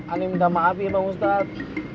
aneh minta maaf ya bang ustad